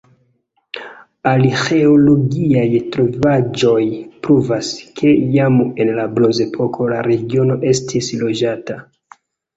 Arĥeologiaj trovaĵoj pruvas, ke jam en la bronzepoko la regiono estis loĝata.